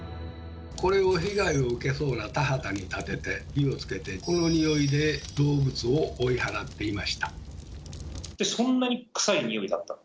これを被害を受けそうな田畑に立てて火をつけてこのニオイで動物を追い払っていました。